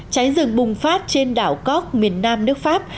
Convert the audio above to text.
trái rừng bùng phát trên đảo cóc miền nam nước pháp